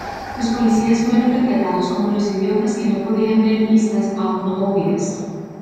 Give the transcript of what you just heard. Los policías fueron retratados como los idiotas que no podían ver pistas aún obvias.